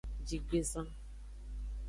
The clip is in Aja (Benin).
Jigbezan.